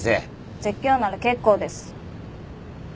説教なら結構です。